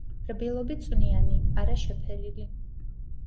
რბილობი წვნიანი– არა შეფერილი.